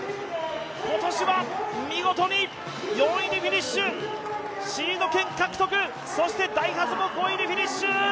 今年は見事に４位でフィニッシュ、シード権獲得、そしてダイハツも５位でフィニッシュ。